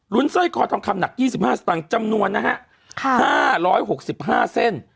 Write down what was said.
รุ้นเส้ยคอทองคำหนักยี่สิบห้าสตางค์จำนวนนะฮะค่ะห้าร้อยหกสิบห้าเส้น